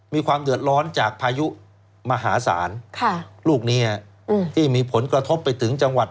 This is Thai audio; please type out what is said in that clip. มีความเดือดร้อนจากพายุมหาศาลค่ะลูกนี้ที่มีผลกระทบไปถึงจังหวัด